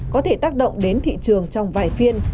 có thể tác động đến thị trường trong vài phiên